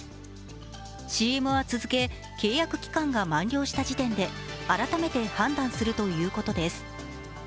ＣＭは続け、契約期間が満了した時点で、改めて判断するということです。